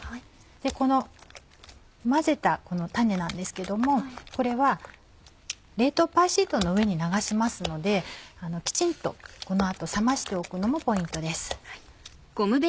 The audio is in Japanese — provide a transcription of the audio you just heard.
この混ぜたタネなんですけどもこれは冷凍パイシートの上に流しますのできちんとこの後冷ましておくのもポイントです。